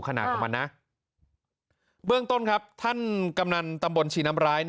ขนาดของมันนะเบื้องต้นครับท่านกำนันตำบลชีน้ำร้าย